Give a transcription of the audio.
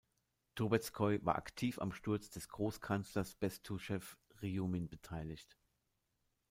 Trubezkoi war aktiv am Sturz des Großkanzlers Bestuschew-Rjumin beteiligt.